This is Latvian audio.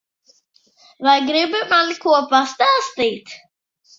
Vai gribi man ko pastāstīt?